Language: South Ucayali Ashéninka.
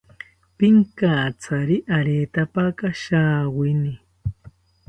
Pinkatsari aretapaka shawini